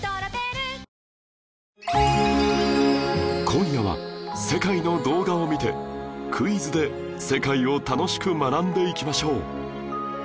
今夜は世界の動画を見てクイズで世界を楽しく学んでいきましょう